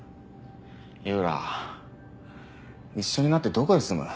井浦一緒になってどこへ住む？